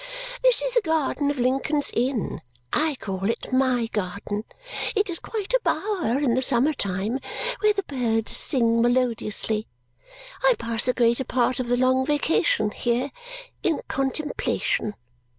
This is the garden of Lincoln's Inn. I call it my garden. It is quite a bower in the summer time. Where the birds sing melodiously. I pass the greater part of the long vacation here. In contemplation.